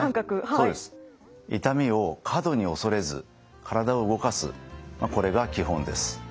痛みを過度に恐れず体を動かすこれが基本です。